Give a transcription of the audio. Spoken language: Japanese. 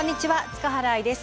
塚原愛です。